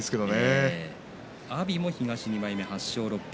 阿炎も東の２枚目８勝６敗。